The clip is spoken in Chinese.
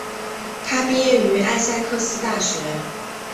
他毕业于艾塞克斯大学。